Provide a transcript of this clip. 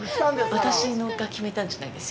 私が決めたんじゃないですよ。